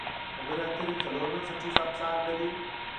خبرې اترې څلور بنسټیز ابزار لري.